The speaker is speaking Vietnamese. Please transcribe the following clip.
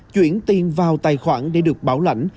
chuyển tiền vào tài khoản để được bảo lãnh